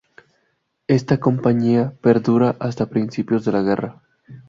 Esta compañía perdura hasta principios de la guerra.